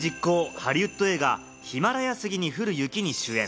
ハリウッド映画『ヒマラヤ杉に降る雪』に主演。